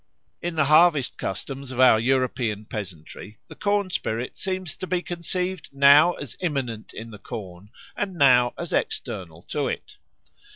In the harvest customs of our European peasantry the corn spirit seems to be conceived now as immanent in the corn and now as external to it.